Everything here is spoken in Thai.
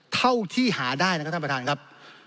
เท่าที่หาได้นะครับท่านประธานครับ